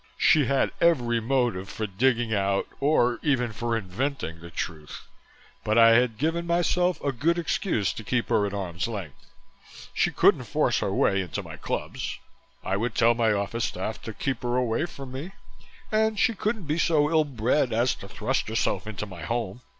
She had every motive for digging out or even for inventing the truth, but I had given myself a good excuse to keep her at arm's length. She couldn't force her way into my clubs. I would tell my office staff to keep her away from me, and she couldn't be so ill bred as to thrust herself into my home.